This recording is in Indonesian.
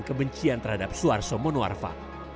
kebencian terhadap suar so mono arfa